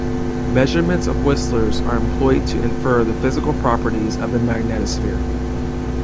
Measurements of whistlers are employed to infer the physical properties of the magnetosphere.